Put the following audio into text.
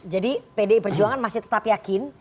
jadi pdi perjuangan masih tetap yakin